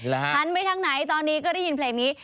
หันไปทางไหนตอนนี้ก็ได้ยินเพลงนี้